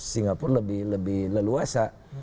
singapura lebih leluasa